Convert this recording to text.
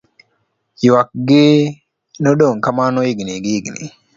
yuak gi nodong' kamano higni gihigni